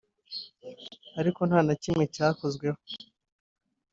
ariko nta na kimwe cyakozweho